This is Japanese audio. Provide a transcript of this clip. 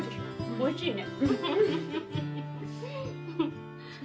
おいしいね。